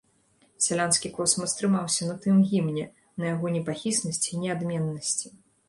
Сялянскі космас трымаўся на тым гімне, на яго непахіснасці і неадменнасці.